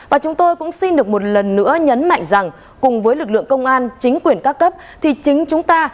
và chúng tôi cũng xin được một lần nữa nhấn mạnh rằng cùng với lực lượng công an chính quyền các cấp thì chính chúng ta